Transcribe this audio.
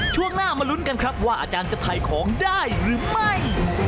ช่วงหน้ามาลุ้นกันครับว่าอาจารย์จะถ่ายของได้หรือไม่